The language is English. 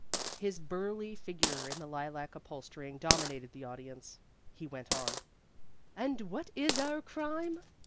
His burly figure in the lilac upholstering dominated the audience. He went on: "And what is our crime?